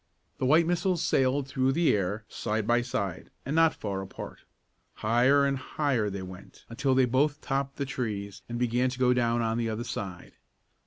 The white missiles sailed through the air side by side, and not far apart. Higher and higher they went, until they both topped the trees, and began to go down on the other side.